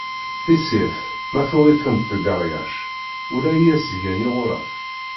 Tissirt, ma tuɣ-itent deg rryac, ula i as-d-gan iɣuraf.